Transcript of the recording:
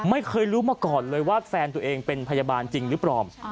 ไม่เคยรู้มาก่อนเลยว่าแฟนตัวเองเป็นพยาบาลจริงหรือเปล่า